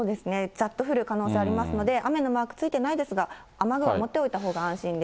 ざっと降る可能性ありますので、雨のマークついてないですが、雨具は持っておいたほうが安心です。